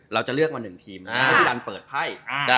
เราจะเลือกมา๑ทีมพี่รันเปิดไพ่